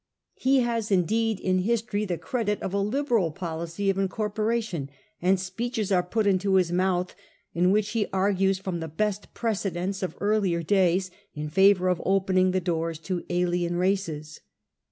He has, indeed, in historj^ the credit of a liberal which may poUcy of incorporation, and speeches are put his lihcra^Tty mouth in which he argues from the in that re bcst precedents of earlier days in favour of opening the doors to alien races.